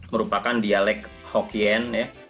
merupakan dialek hokkien ya